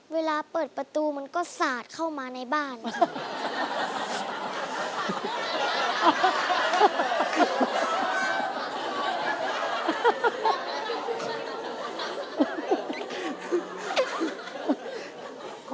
เวลาเปิดประตูมันก็สาดเข้ามาในบ้าน